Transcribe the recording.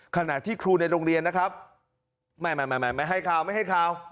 ขณะที่ครูในโรงเรียนไม่ไม่ให้ข่าว